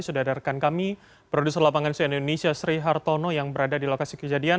sudah ada rekan kami produser lapangan sian indonesia sri hartono yang berada di lokasi kejadian